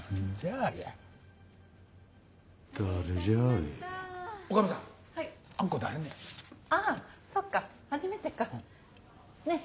あぁそっか初めてか。ねぇ